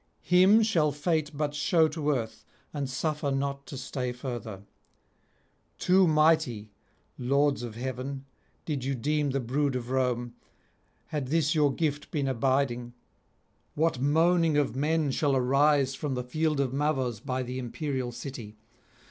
Him shall fate but shew to earth, and suffer not to stay further. Too mighty, lords of heaven, did you deem the brood of Rome, had this your gift been abiding. What moaning of men shall arise from the Field of Mavors by the imperial city!